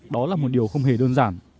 đó là một điều không hề đơn giản